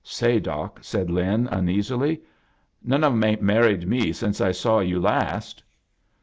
"Say, Doc," said Lin, uneasily, ' of 'em 'ain't married me since I saw you last."